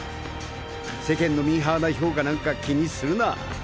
世間のミーハーな評価なんか気にするな。